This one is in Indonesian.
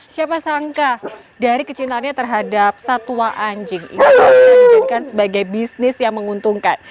siapa sangka dari kecinanya terhadap satwa anjing sebagai bisnis yang menguntungkan